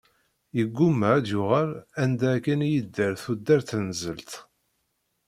Yegguma ad d-yuɣal anda akken i yedder tudert n zzelṭ.